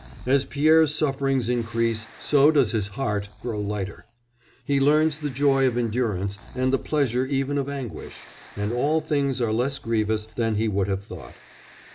As Pierre's sufferings increase so does his heart grow lighter; he learns the joy of endurance and the pleasure even of anguish, and all things are less grievous than he would have thought.